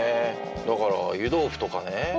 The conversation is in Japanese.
だから湯豆腐とかね